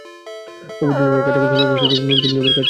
অপু জানালেন, কাছাকাছি সময়ে কয়েকটি নতুন ছবির কাজ শুরু করেছেন তিনি।